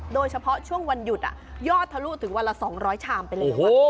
โดยเฉพาะช่วงวันหยุดยอดทะลุถึงวันละ๒๐๐ชามไปแล้ว